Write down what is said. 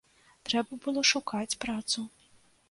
Трэба было шукаць працу.